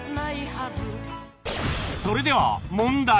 それでは問題